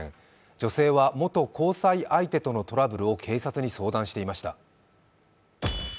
女性は元交際相手とのトラブルを警察に相談していました。